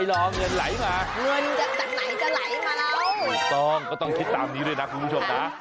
เงินจากไหนจะไหลมาแล้วไม่ต้องก็ต้องคิดตามนี้ด้วยนะคุณผู้ชมนะ